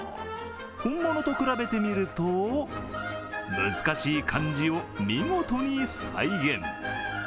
本物と比べてみると難しい漢字を見事に再現。